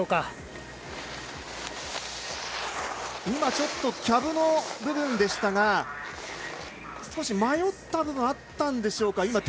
今、ちょっとキャブの部分でしたが少し迷った部分があったんでしょうか。